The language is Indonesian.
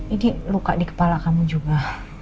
ini luka di kepala kamu juga